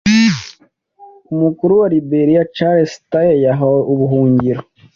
Umukuru wa Liberiya Charles Taylor yahawe ubuhungiro